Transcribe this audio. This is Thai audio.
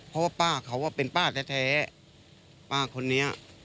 เพราะว่าป้าเขาเป็นป้าแท้ป้าคนนี้